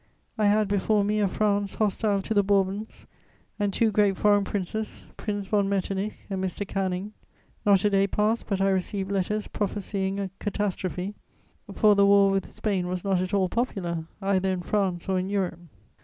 I had before me a France hostile to the Bourbons, and two great foreign ministers, Prince von Metternich and Mr. Canning. Not a day passed but I received letters prophesying a catastrophe, for the war with Spain was not at all popular, either in France or in Europe.